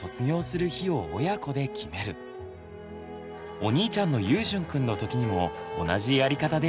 お兄ちゃんのゆうしゅんくんの時にも同じやり方でした。